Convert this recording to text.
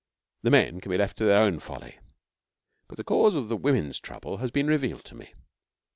Now, the men can be left to their own folly, but the cause of the women's trouble has been revealed to me.